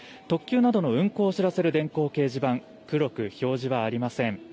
特急などの運行を知らせる電光掲示板、黒く表示はありません。